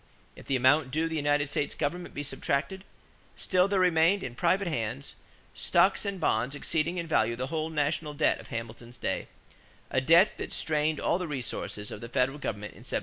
If the amount due the United States government be subtracted, still there remained, in private hands, stocks and bonds exceeding in value the whole national debt of Hamilton's day a debt that strained all the resources of the Federal government in 1790.